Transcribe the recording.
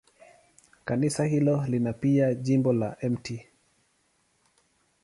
Kanisa hilo lina pia jimbo la Mt.